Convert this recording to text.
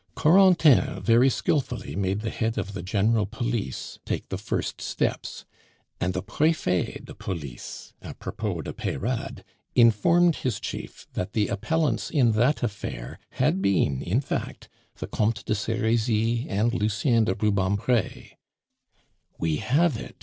Corentin very skilfully made the head of the General Police take the first steps; and the Prefet de Police a propos to Peyrade, informed his chief that the appellants in that affair had been in fact the Comte de Serizy and Lucien de Rubempre. "We have it!"